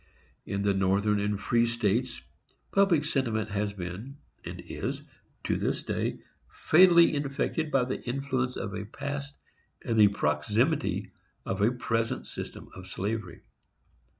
In the northern and free states public sentiment has been, and is, to this day, fatally infected by the influence of a past and the proximity of a present system of slavery.